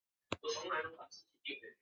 大王庙始建于清光绪十七年。